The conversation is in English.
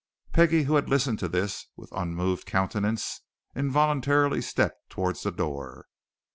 Peggie, who had listened to this with unmoved countenance, involuntarily stepped towards the door.